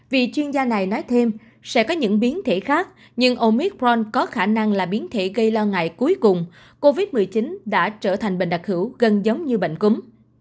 vì chuyên gia này nói thêm sẽ có những biến thể khác nhưng omidront có khả năng là biến thể gây lo ngại cuối cùng covid một mươi chín đã trở thành bệnh đặc hữu gần giống như bệnh cúm